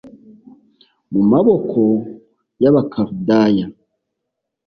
mu maboko y Abakaludaya